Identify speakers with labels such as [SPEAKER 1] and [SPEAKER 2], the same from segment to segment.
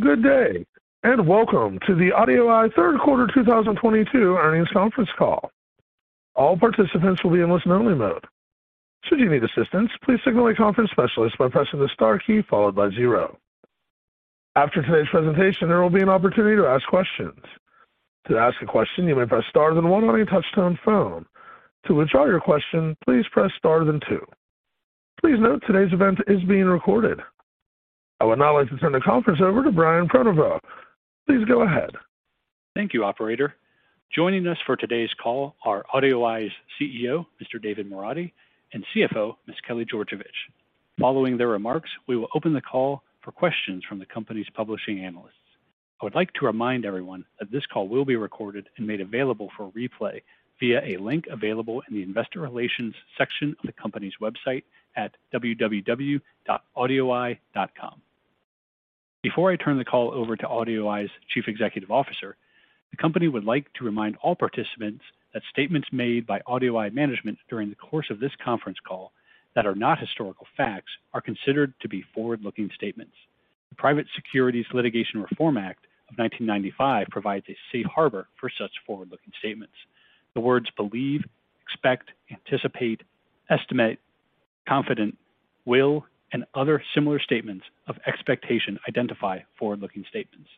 [SPEAKER 1] Good day, and welcome to the AudioEye Third Quarter 2022 Earnings Conference Call. All participants will be in listen only mode. Should you need assistance, please signal a conference specialist by pressing the star key followed by zero. After today's presentation, there will be an opportunity to ask questions. To ask a question, you may press star then one on your touchtone phone. To withdraw your question, please press star then two. Please note today's event is being recorded. I would now like to turn the conference over to Brian Prenoveau. Please go ahead.
[SPEAKER 2] Thank you, operator. Joining us for today's call are AudioEye's CEO, Mr. David Moradi, and CFO, Ms. Kelly Georgevich. Following their remarks, we will open the call for questions from the company's publishing analysts. I would like to remind everyone that this call will be recorded and made available for replay via a link available in the investor relations section of the company's website at www.audioeye.com. Before I turn the call over to AudioEye's Chief Executive Officer, the company would like to remind all participants that statements made by AudioEye management during the course of this conference call that are not historical facts are considered to be forward-looking statements. The Private Securities Litigation Reform Act of 1995 provides a safe harbor for such forward-looking statements. The words believe, expect, anticipate, estimate, confident, will, and other similar statements of expectation identify forward-looking statements.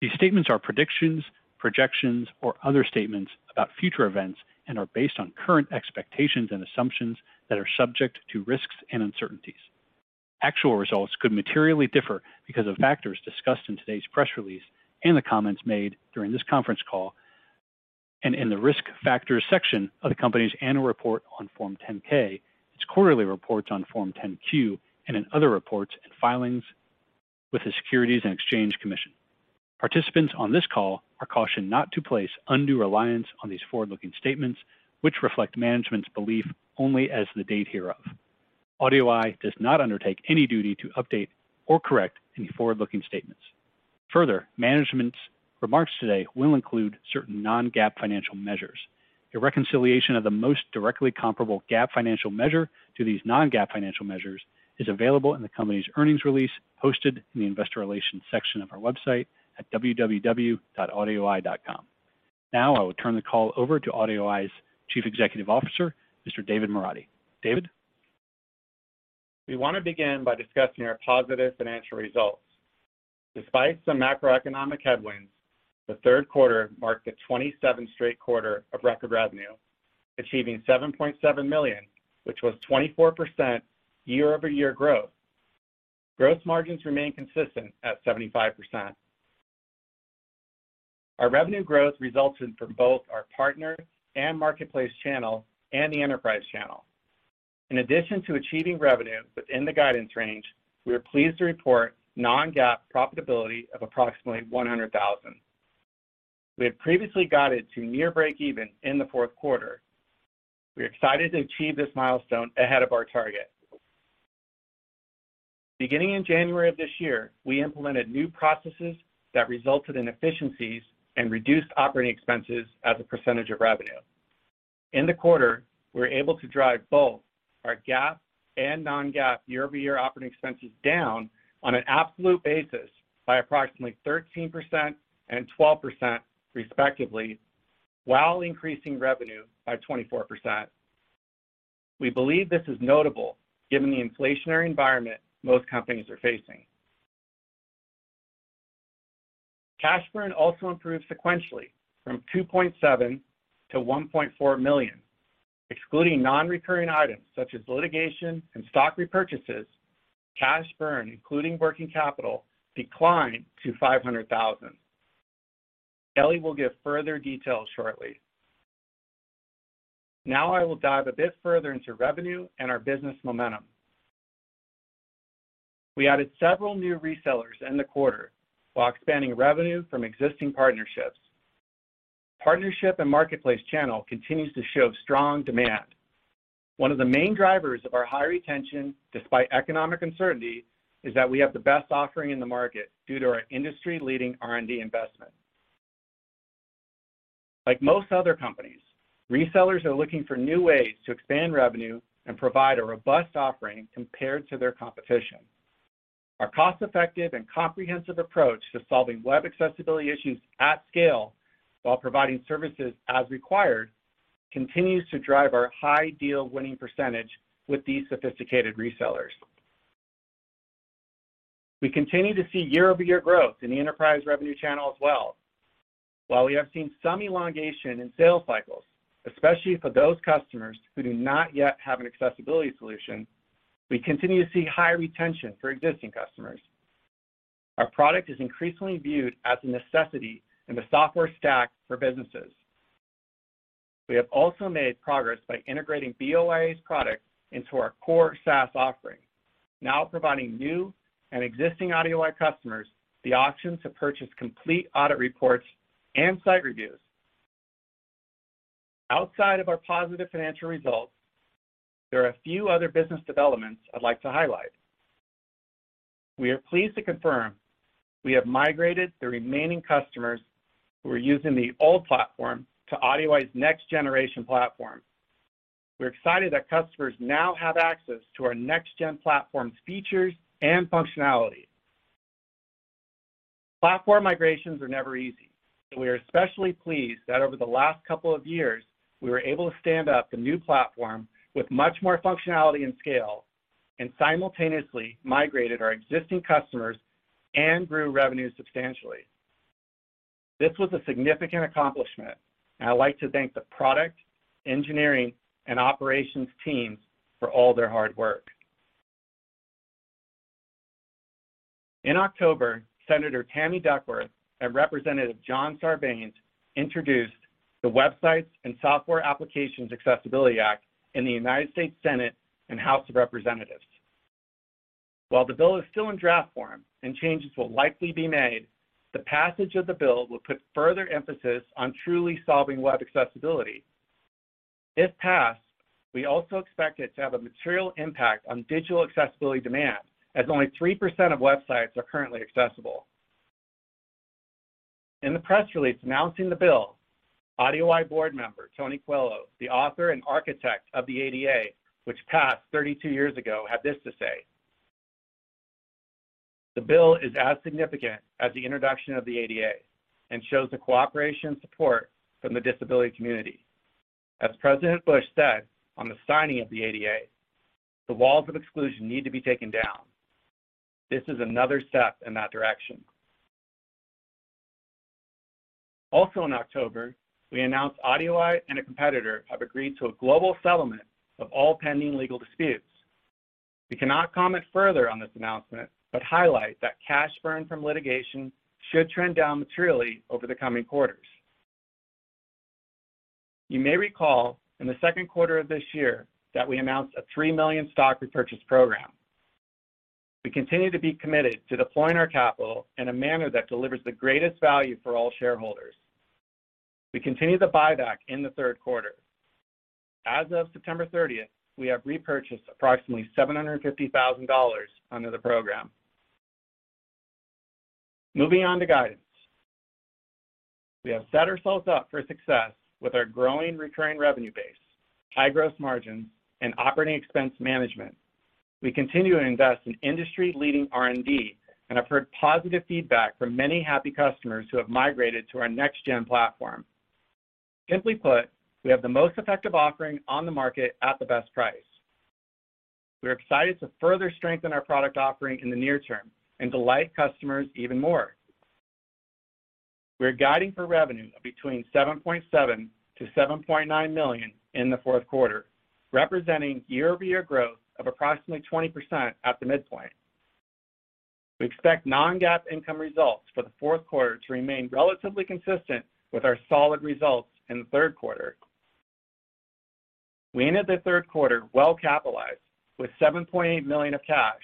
[SPEAKER 2] These statements are predictions, projections, or other statements about future events and are based on current expectations and assumptions that are subject to risks and uncertainties. Actual results could materially differ because of factors discussed in today's press release and the comments made during this conference call and in the Risk Factors section of the company's annual report on Form 10-K, its quarterly reports on Form 10-Q, and in other reports and filings with the Securities and Exchange Commission. Participants on this call are cautioned not to place undue reliance on these forward-looking statements, which reflect management's belief only as of the date hereof. AudioEye does not undertake any duty to update or correct any forward-looking statements. Further, management's remarks today will include certain non-GAAP financial measures. A reconciliation of the most directly comparable GAAP financial measure to these non-GAAP financial measures is available in the company's earnings release posted in the investor relations section of our website at www.audioeye.com. Now, I will turn the call over to AudioEye's Chief Executive Officer, Mr. David Moradi. David?
[SPEAKER 3] We want to begin by discussing our positive financial results. Despite some macroeconomic headwinds, the third quarter marked the 27th straight quarter of record revenue, achieving $7.7 million, which was 24% year-over-year growth. Gross margins remain consistent at 75%. Our revenue growth resulted from both our partner and marketplace channel and the enterprise channel. In addition to achieving revenue within the guidance range, we are pleased to report non-GAAP profitability of approximately $100,000. We had previously guided to near breakeven in the fourth quarter. We are excited to achieve this milestone ahead of our target. Beginning in January of this year, we implemented new processes that resulted in efficiencies and reduced operating expenses as a percentage of revenue. In the quarter, we were able to drive both our GAAP and non-GAAP year-over-year operating expenses down on an absolute basis by approximately 13% and 12% respectively, while increasing revenue by 24%. We believe this is notable given the inflationary environment most companies are facing. Cash burn also improved sequentially from $2.7 million to $1.4 million. Excluding non-recurring items such as litigation and stock repurchases, cash burn, including working capital, declined to $500,000. Kelly will give further details shortly. Now I will dive a bit further into revenue and our business momentum. We added several new resellers in the quarter while expanding revenue from existing partnerships. Partnership and marketplace channel continues to show strong demand. One of the main drivers of our high retention, despite economic uncertainty, is that we have the best offering in the market due to our industry-leading R&D investment. Like most other companies, resellers are looking for new ways to expand revenue and provide a robust offering compared to their competition. Our cost-effective and comprehensive approach to solving web accessibility issues at scale while providing services as required continues to drive our high deal winning percentage with these sophisticated resellers. We continue to see year-over-year growth in the enterprise revenue channel as well. While we have seen some elongation in sales cycles, especially for those customers who do not yet have an accessibility solution, we continue to see high retention for existing customers. Our product is increasingly viewed as a necessity in the software stack for businesses. We have also made progress by integrating BoIA's product into our core SaaS offering, now providing new and existing AudioEye customers the option to purchase complete audit reports and site reviews. Outside of our positive financial results, there are a few other business developments I'd like to highlight. We are pleased to confirm we have migrated the remaining customers who are using the old platform to AudioEye's next generation platform. We're excited that customers now have access to our next gen platform's features and functionality. Platform migrations are never easy, so we are especially pleased that over the last couple of years, we were able to stand up the new platform with much more functionality and scale, and simultaneously migrated our existing customers and grew revenue substantially. This was a significant accomplishment, and I'd like to thank the product, engineering, and operations teams for all their hard work. In October, Senator Tammy Duckworth and Representative John Sarbanes introduced the Websites and Software Applications Accessibility Act in the United States Senate and House of Representatives. While the bill is still in draft form and changes will likely be made, the passage of the bill will put further emphasis on truly solving web accessibility. If passed, we also expect it to have a material impact on digital accessibility demand, as only 3% of websites are currently accessible. In the press release announcing the bill, AudioEye board member Tony Coelho, the author and architect of the ADA, which passed 32 years ago, had this to say, "The bill is as significant as the introduction of the ADA and shows the cooperation and support from the disability community. As President Bush said on the signing of the ADA, "The walls of exclusion need to be taken down." This is another step in that direction. Also in October, we announced AudioEye and a competitor have agreed to a global settlement of all pending legal disputes. We cannot comment further on this announcement, but highlight that cash burn from litigation should trend down materially over the coming quarters. You may recall in the second quarter of this year that we announced a $3 million stock repurchase program. We continue to be committed to deploying our capital in a manner that delivers the greatest value for all shareholders. We continued the buyback in the third quarter. As of September 30th, we have repurchased approximately $750,000 under the program. Moving on to guidance. We have set ourselves up for success with our growing recurring revenue base, high gross margins, and operating expense management. We continue to invest in industry-leading R&D, and have heard positive feedback from many happy customers who have migrated to our next-gen platform. Simply put, we have the most effective offering on the market at the best price. We're excited to further strengthen our product offering in the near term and delight customers even more. We're guiding for revenue of between $7.7-$7.9 million in the fourth quarter, representing year-over-year growth of approximately 20% at the midpoint. We expect non-GAAP income results for the fourth quarter to remain relatively consistent with our solid results in the third quarter. We ended the third quarter well capitalized with $7.8 million of cash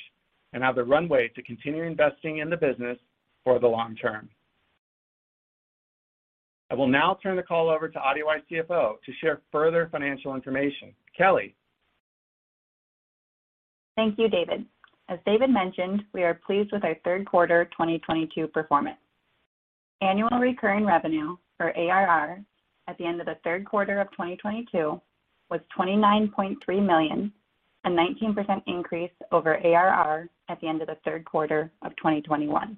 [SPEAKER 3] and have the runway to continue investing in the business for the long term. I will now turn the call over to AudioEye's CFO to share further financial information. Kelly?
[SPEAKER 4] Thank you, David. As David mentioned, we are pleased with our third quarter 2022 performance. Annual recurring revenue, or ARR, at the end of the third quarter of 2022 was $29.3 million, a 19% increase over ARR at the end of the third quarter of 2021.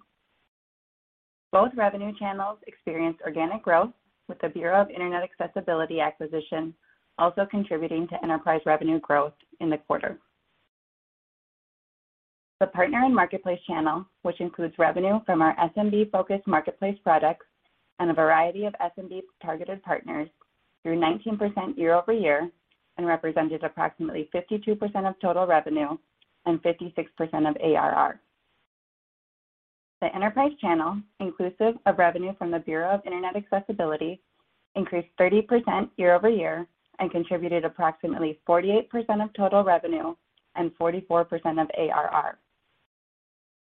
[SPEAKER 4] Both revenue channels experienced organic growth with the Bureau of Internet Accessibility acquisition also contributing to enterprise revenue growth in the quarter. The partner and marketplace channel, which includes revenue from our SMB-focused marketplace products and a variety of SMB-targeted partners, grew 19% year-over-year and represented approximately 52% of total revenue and 56% of ARR. The enterprise channel, inclusive of revenue from the Bureau of Internet Accessibility, increased 30% year-over-year and contributed approximately 48% of total revenue and 44% of ARR.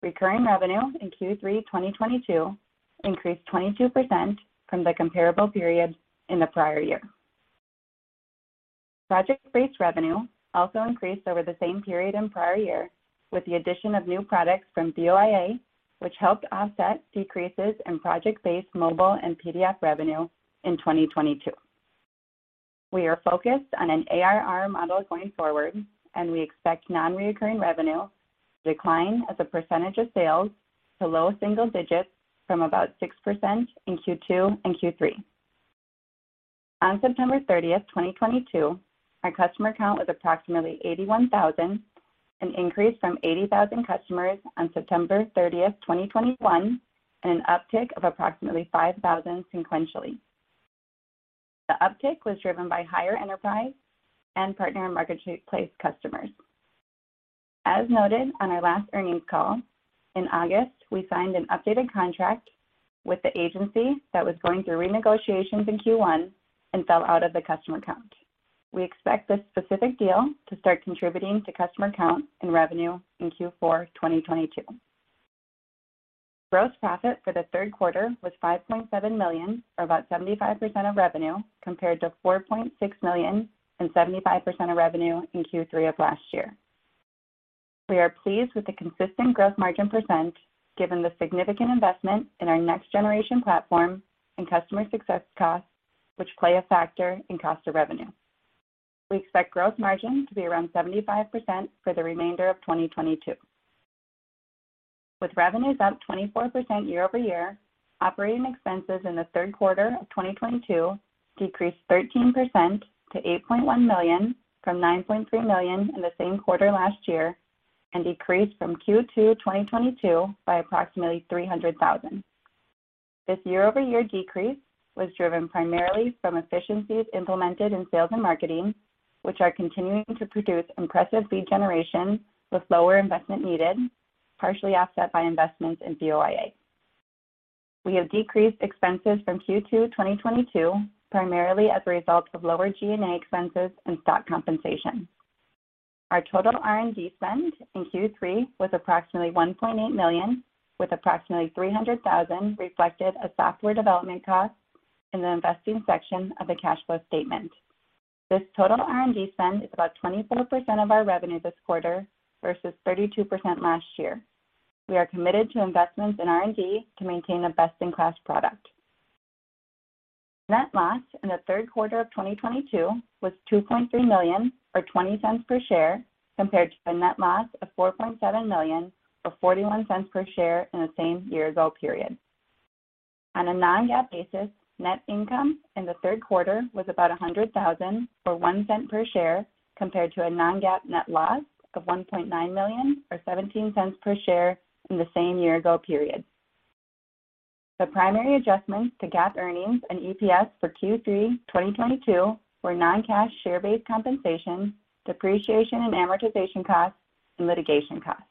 [SPEAKER 4] Recurring revenue in Q3 2022 increased 22% from the comparable period in the prior year. Project-based revenue also increased over the same period in prior year with the addition of new products from BoIA, which helped offset decreases in project-based mobile and PDF revenue in 2022. We are focused on an ARR model going forward, and we expect non-recurring revenue to decline as a percentage of sales to low single digits from about 6% in Q2 and Q3. On September 30, 2022, our customer count was approximately 81,000, an increase from 80,000 customers on September 30, 2021, and an uptick of approximately 5,000 sequentially. The uptick was driven by higher enterprise and partner and marketplace customers. As noted on our last earnings call, in August, we signed an updated contract with the agency that was going through renegotiations in Q1 and fell out of the customer count. We expect this specific deal to start contributing to customer count and revenue in Q4 2022. Gross profit for the third quarter was $5.7 million, or about 75% of revenue, compared to $4.6 million and 75% of revenue in Q3 of last year. We are pleased with the consistent gross margin percent given the significant investment in our next generation platform and customer success costs, which play a factor in cost of revenue. We expect gross margin to be around 75% for the remainder of 2022. With revenues up 24% year-over-year, operating expenses in the third quarter of 2022 decreased 13% to $8.1 million from $9.3 million in the same quarter last year, and decreased from Q2 2022 by approximately $300,000. This year-over-year decrease was driven primarily from efficiencies implemented in sales and marketing, which are continuing to produce impressive lead generation with lower investment needed, partially offset by investments in BoIA. We have decreased expenses from Q2 2022, primarily as a result of lower G&A expenses and stock compensation. Our total R&D spend in Q3 was approximately $1.8 million, with approximately $300,000 reflected as software development costs in the investing section of the cash flow statement. This total R&D spend is about 24% of our revenue this quarter versus 32% last year. We are committed to investments in R&D to maintain a best-in-class product. Net loss in the third quarter of 2022 was $2.3 million or $0.20 per share, compared to a net loss of $4.7 million or $0.41 per share in the same year ago period. On a non-GAAP basis, net income in the third quarter was about $100,000 or $0.01 per share, compared to a non-GAAP net loss of $1.9 million or $0.17 per share in the same year ago period. The primary adjustments to GAAP earnings and EPS for Q3 2022 were non-cash share-based compensation, depreciation and amortization costs, and litigation costs.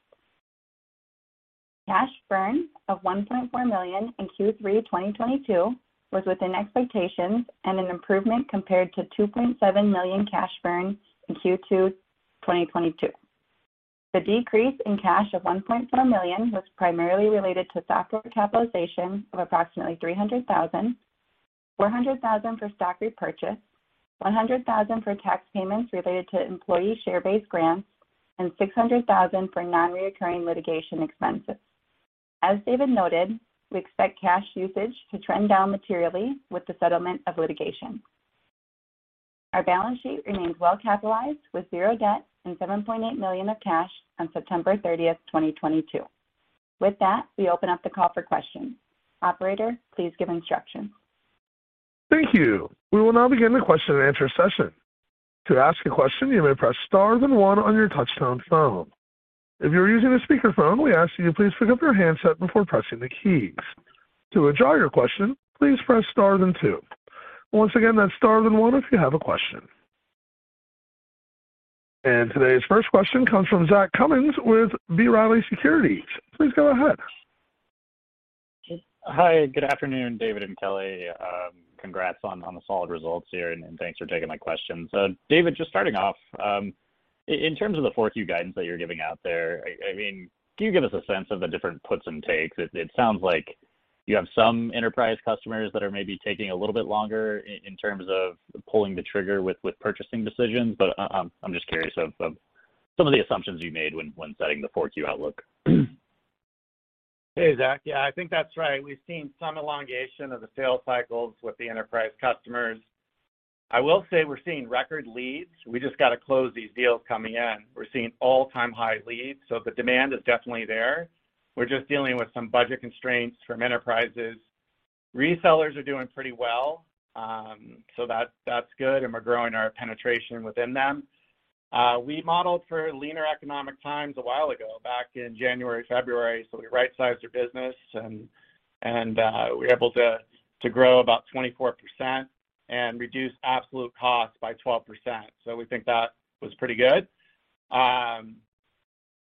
[SPEAKER 4] Cash burn of $1.4 million in Q3 2022 was within expectations and an improvement compared to $2.7 million cash burn in Q2 2022. The decrease in cash of $1.4 million was primarily related to software capitalization of approximately $300,000, $400,000 for stock repurchase, $100,000 for tax payments related to employee share-based grants, and $600,000 for non-recurring litigation expenses. As David noted, we expect cash usage to trend down materially with the settlement of litigation. Our balance sheet remains well capitalized with $0 debt and $7.8 million of cash on September 30, 2022. With that, we open up the call for questions. Operator, please give instructions.
[SPEAKER 1] Thank you. We will now begin the question and answer session. To ask a question, you may press star then one on your touchtone phone. If you are using a speaker phone, we ask that you please pick up your handset before pressing the keys. To withdraw your question, please press star then two. Once again, that's star then one if you have a question. Today's first question comes from Zach Cummins with B. Riley Securities. Please go ahead.
[SPEAKER 5] Hi. Good afternoon, David and Kelly. Congrats on the solid results here, and thanks for taking my questions. David, just starting off, in terms of the 4Q guidance that you're giving out there, I mean, can you give us a sense of the different puts and takes? It sounds like you have some enterprise customers that are maybe taking a little bit longer in terms of pulling the trigger with purchasing decisions. I'm just curious of some of the assumptions you made when setting the 4Q outlook.
[SPEAKER 3] Hey, Zach. Yeah, I think that's right. We've seen some elongation of the sales cycles with the enterprise customers. I will say we're seeing record leads. We just got to close these deals coming in. We're seeing all-time high leads, so the demand is definitely there. We're just dealing with some budget constraints from enterprises. Resellers are doing pretty well, so that's good, and we're growing our penetration within them. We modeled for leaner economic times a while ago, back in January, February, so we right-sized our business and we're able to grow about 24% and reduce absolute cost by 12%. So we think that was pretty good.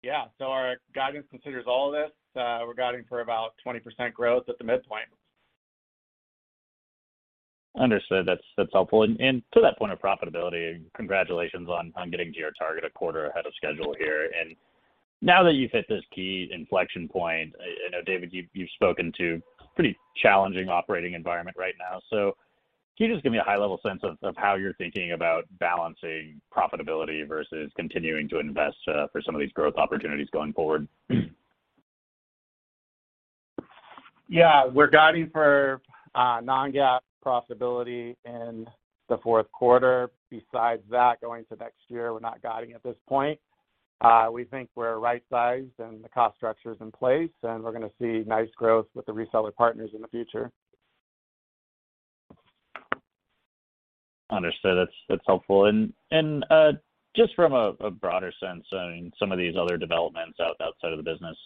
[SPEAKER 3] Yeah. So our guidance considers all of this. We're guiding for about 20% growth at the midpoint.
[SPEAKER 5] Understood. That's helpful. To that point of profitability, congratulations on getting to your target a quarter ahead of schedule here. Now that you've hit this key inflection point, I know, David, you've spoken to pretty challenging operating environment right now. Can you just give me a high-level sense of how you're thinking about balancing profitability versus continuing to invest for some of these growth opportunities going forward?
[SPEAKER 3] Yeah. We're guiding for non-GAAP profitability in the fourth quarter. Besides that, going to next year, we're not guiding at this point. We think we're right-sized and the cost structure is in place, and we're gonna see nice growth with the reseller partners in the future.
[SPEAKER 5] Understood. That's helpful. Just from a broader sense, I mean, some of these other developments outside of the business,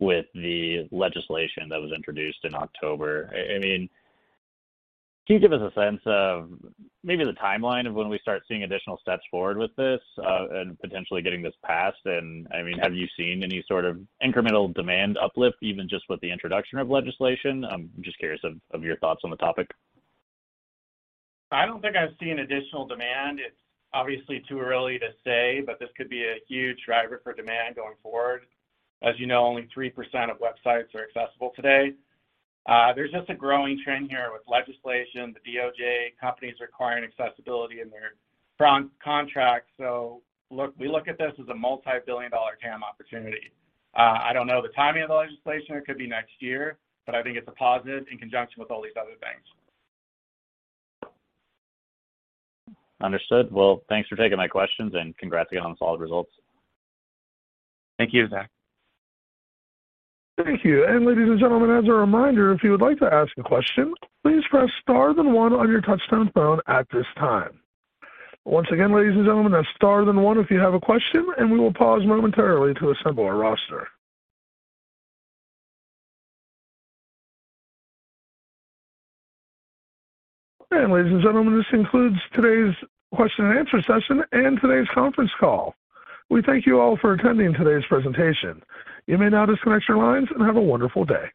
[SPEAKER 5] with the legislation that was introduced in October, I mean, can you give us a sense of maybe the timeline of when we start seeing additional steps forward with this, and potentially getting this passed? I mean, have you seen any sort of incremental demand uplift even just with the introduction of legislation? I'm just curious of your thoughts on the topic.
[SPEAKER 3] I don't think I've seen additional demand. It's obviously too early to say, but this could be a huge driver for demand going forward. As you know, only 3% of websites are accessible today. There's just a growing trend here with legislation, the DOJ, companies requiring accessibility in their front contracts. Look, we look at this as a multi-billion-dollar TAM opportunity. I don't know the timing of the legislation. It could be next year, but I think it's a positive in conjunction with all these other things.
[SPEAKER 5] Understood. Well, thanks for taking my questions, and congrats again on the solid results.
[SPEAKER 3] Thank you, Zach.
[SPEAKER 1] Thank you. Ladies and gentlemen, as a reminder, if you would like to ask a question, please press star then one on your touchtone phone at this time. Once again, ladies and gentlemen, that's star then one if you have a question, and we will pause momentarily to assemble our roster. Ladies and gentlemen, this concludes today's question and answer session and today's conference call. We thank you all for attending today's presentation. You may now disconnect your lines and have a wonderful day.